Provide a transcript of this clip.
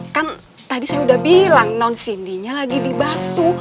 kan tadi saya udah bilang nonsindinya lagi dibasu